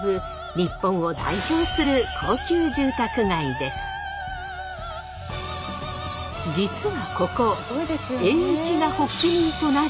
日本を代表する実はここ栄一が発起人となり